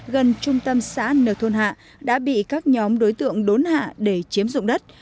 gần trung tâm xã nờ thôn hạ đã bị các nhóm đối tượng đốn hạ để chiếm dụng đất